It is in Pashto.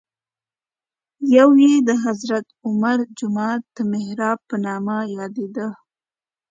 یو یې د حضرت عمر جومات د محراب په نامه یادېده.